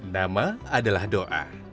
nama adalah doa